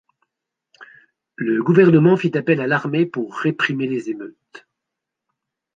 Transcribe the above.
Le gouvernement fit appel à l'armée pour réprimer les émeutes.